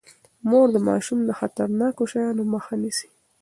مور د ماشوم د خطرناکو شيانو مخه نيسي.